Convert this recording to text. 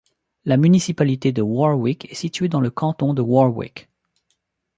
La municipalité de Warwick est située dans le canton de Warwick.